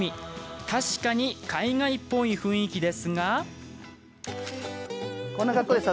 確かに海外っぽい雰囲気ですが。